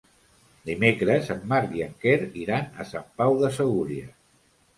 Dimecres en Marc i en Quer iran a Sant Pau de Segúries.